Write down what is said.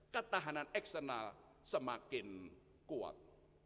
ketahanan eksternal semakin kuat